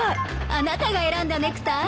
あなたが選んだネクタイ？